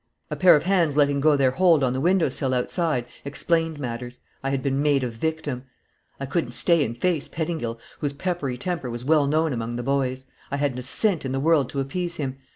A pair of hands letting go their hold on the window sill outside explained matters. I had been made a victim. I couldn't stay and face Pettingil, whose peppery temper was well known among the boys. I hadn't a cent in the world to appease him.